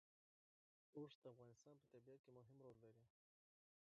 اوښ د افغانستان په طبیعت کې مهم رول لري.